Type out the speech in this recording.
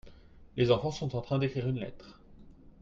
les enfants sont en train d'écrire une lettre.